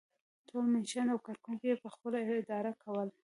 ټول منشیان او کارکوونکي یې پخپله اداره کول.